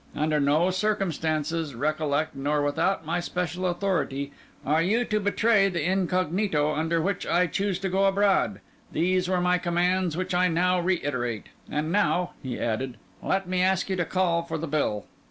Under no circumstances, recollect, nor without my special authority, are you to betray the incognito under which I choose to go abroad. These were my commands, which I now reiterate. And now," he added, "let me ask you to call for the bill."